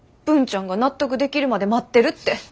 文ちゃんが納得できるまで待ってるって。